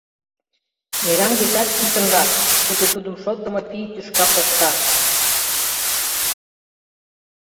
Мераҥ дечат писынрак, пуйто тудым шотдымо пий тӱшка покта.